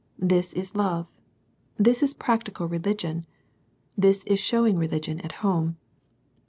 This is love. This is practical religion. This is showing religion at home.